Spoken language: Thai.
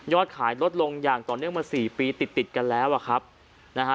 ขายลดลงอย่างต่อเนื่องมาสี่ปีติดติดกันแล้วอ่ะครับนะฮะ